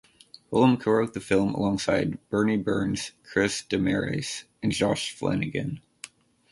Hullum co-wrote the film alongside Burnie Burns, Chris Demarais, and Josh Flanagan.